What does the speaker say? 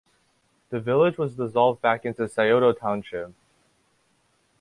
The village was dissolved back into Scioto Township.